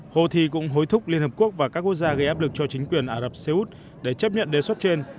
ho thi cũng hối thúc liên hợp quốc và các quốc gia gây áp lực cho chính quyền ả rập xê út để chấp nhận đề xuất trên